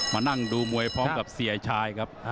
มานั่งดูมวยพร้อมกับเสียชายครับ